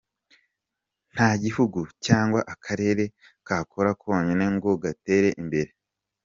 "Nta gihugu cyangwa akarere kakora konyine ngo gatere imbere.